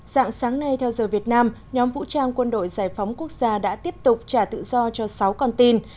dạng sáng nay theo giờ việt nam nhóm vũ trang quân đội giải phóng quốc gia đã tiếp tục trả tự do cho sáu con tin